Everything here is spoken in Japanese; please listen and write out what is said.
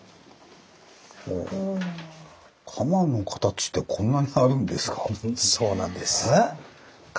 鎌の形ってこんなにあるんですか。